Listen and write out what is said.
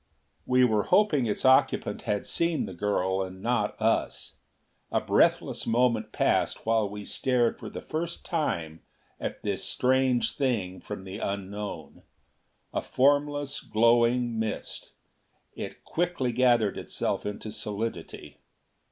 We were hoping its occupant had seen the girl, and not us. A breathless moment passed while we stared for the first time at this strange thing from the Unknown.... A formless, glowing mist, it quickly gathered itself into solidity.